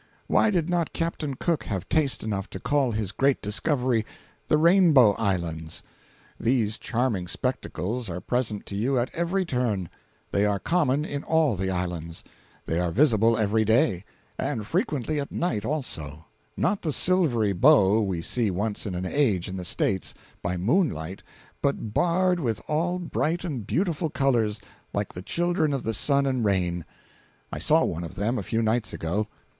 Why did not Captain Cook have taste enough to call his great discovery the Rainbow Islands? These charming spectacles are present to you at every turn; they are common in all the islands; they are visible every day, and frequently at night also—not the silvery bow we see once in an age in the States, by moonlight, but barred with all bright and beautiful colors, like the children of the sun and rain. I saw one of them a few nights ago.